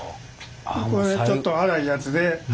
これちょっと荒いやつで。